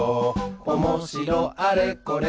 「おもしろあれこれ